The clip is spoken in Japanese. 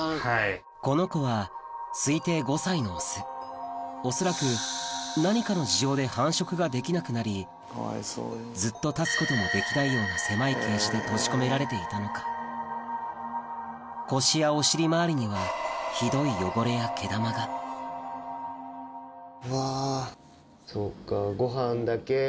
この子は恐らく何かの事情で繁殖ができなくなりずっと立つこともできないような狭いケージで閉じ込められていたのか腰やお尻まわりにはひどい汚れや毛玉がうわそっか。